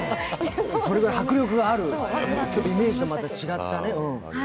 それぐらい迫力のある、ちょっとイメージとは違ったね。